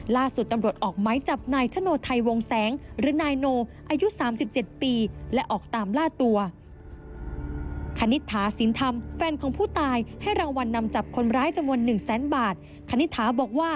ล่าสุดตำรวจออกไม้จับนายชะโนไทยวงแสง